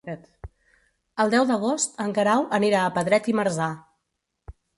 El deu d'agost en Guerau anirà a Pedret i Marzà.